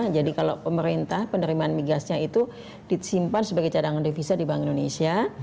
jadi kalau pemerintah penerimaan migasnya itu disimpan sebagai cadangan devisa di bank indonesia